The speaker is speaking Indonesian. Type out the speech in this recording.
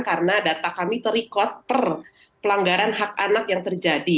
karena data kami terikot per pelanggaran hak anak yang terjadi